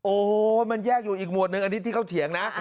โอ้โหมันแยกอยู่อีกหมวดหนึ่งอันนี้ที่เขาเถียงนะ